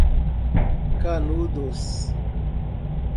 Canudos